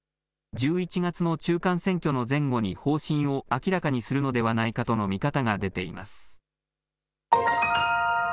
１１月の中間選挙の前後に方針を明らかにするのではないかとの見方が出ています。